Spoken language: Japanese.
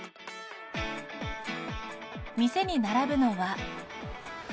店に並ぶのは。